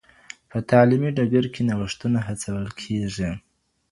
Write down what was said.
په تعلیمي ډګر کي نوښتونه هڅول کېږي.